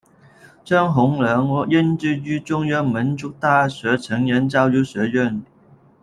张宏良任职于中央民族大学成人教育学院。